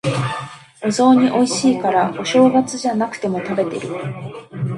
お雑煮美味しいから、お正月じゃなくても食べてる。